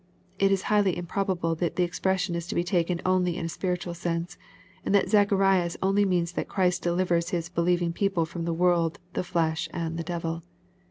It is highly improbable that the expression is to be taken only in a spiritual sense, and that Zacharias only means that Christ delivers his believing people from the world, the flesh, and the devil.